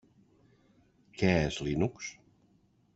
Què és Linux?